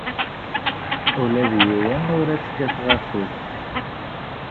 Ula d yiwen ur as-kkateɣ afus.